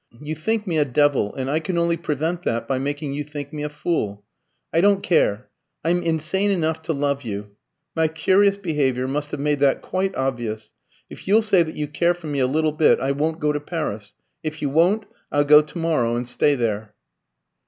"You think me a devil, and I can only prevent that by making you think me a fool. I don't care. I'm insane enough to love you my curious behaviour must have made that quite obvious. If you'll say that you care for me a little bit, I won't go to Paris. If you won't, I'll go to morrow and stay there."